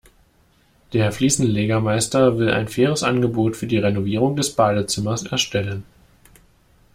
Der Fliesenlegermeister will ein faires Angebot für die Renovierung des Badezimmers erstellen.